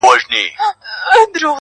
او پر لار د طویلې یې برابر کړ.!